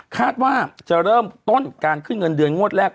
คาดว่าจะเริ่มต้นการขึ้นเงินเดือนงวดแรก